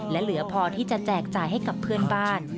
และเหลือพอที่จะแจกจ่ายให้กับเพื่อนบ้าน